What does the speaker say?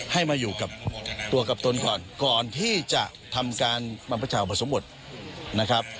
ให้มาอยู่กับตัวกับตนก่อนก่อนที่จะทำการบรรพชาอุปสมบทนะครับ